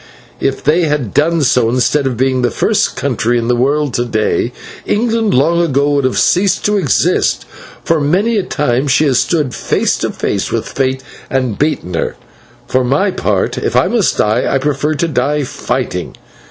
If they had done so, instead of being the first country in the world to day, England long ago would have ceased to exist, for many a time she has stood face to face with Fate and beaten her. For my part, if I must die, I prefer to die fighting.